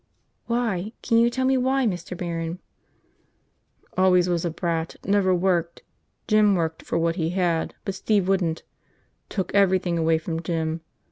"Why? Can you tell me why, Mr. Barron?" "Always was a brat, never worked. Jim worked for what he had, but Steve wouldn't. Took everything away from Jim.